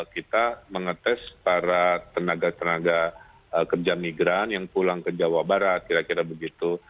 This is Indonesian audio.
kita mengetes para tenaga tenaga kerja migran yang pulang ke jawa barat kira kira begitu